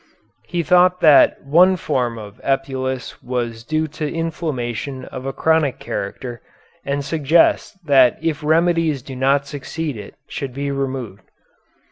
He thought that one form of epulis was due to inflammation of a chronic character, and suggests that if remedies do not succeed it should be removed.